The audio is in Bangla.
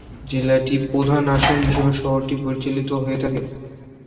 জেলাটি প্রধান আসন হিসাবে শহরটি পরিচালিত হয়ে থাকে।